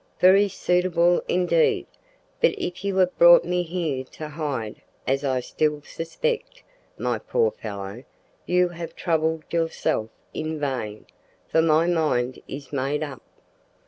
"Very suitable indeed, but if you have brought me here to hide, as I still suspect, my poor fellow, you have troubled yourself in vain, for my mind is made up."